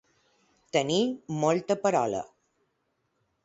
Tenir molta parola.